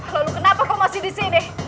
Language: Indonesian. lalu kenapa kau masih disini